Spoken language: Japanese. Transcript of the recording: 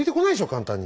簡単に。